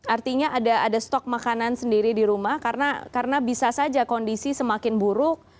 artinya ada stok makanan sendiri di rumah karena bisa saja kondisi semakin buruk